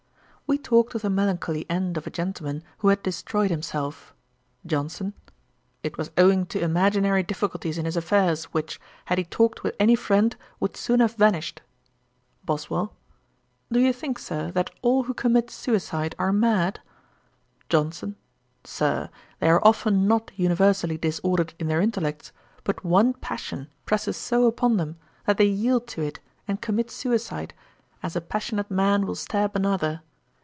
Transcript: We talked of the melancholy end of a gentleman who had destroyed himself. JOHNSON. 'It was owing to imaginary difficulties in his affairs, which, had he talked with any friend, would soon have vanished.' BOSWELL. 'Do you think, Sir, that all who commit suicide are mad?' JOHNSON. 'Sir, they are often not universally disordered in their intellects, but one passion presses so upon them, that they yield to it, and commit suicide, as a passionate man will stab another.'